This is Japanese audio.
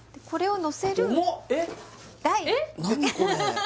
これを乗せる？